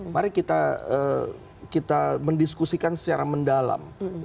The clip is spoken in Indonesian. mari kita mendiskusikan secara mendalam